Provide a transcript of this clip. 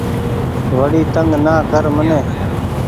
وڙي تنگ نا ڪر مني